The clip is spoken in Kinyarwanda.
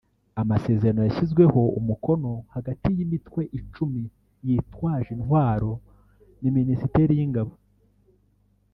Amasezerano yashyizweho umukono hagati y’ imitwe icumi yitwaje intwaro na Minisiteri y’ ingabo